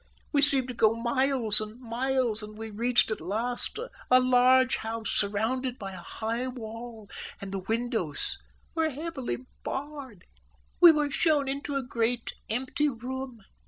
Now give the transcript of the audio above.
We seemed to go miles and miles, and we reached at last a large house, surrounded by a high wall, and the windows were heavily barred. We were shown into a great empty room.